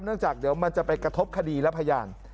จากเดี๋ยวมันจะไปกระทบคดีและพยาน